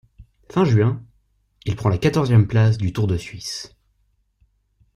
Fin juin, il prend la quatorzième place du Tour de Suisse.